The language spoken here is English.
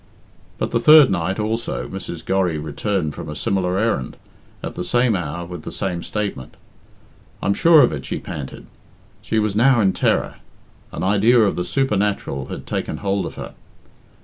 But the third night also Mrs. Gorry returned from a similar errand, at the same hour, with the same statement. "I'm sure of it," she panted. She was now in terror. An idea of the supernatural had taken hold of her.